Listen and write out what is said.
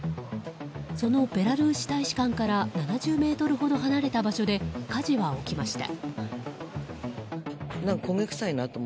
そのベラルーシ大使館から７０ｍほど離れた場所で火事は起きました。